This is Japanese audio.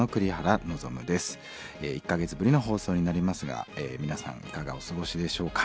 １か月ぶりの放送になりますが皆さんいかがお過ごしでしょうか？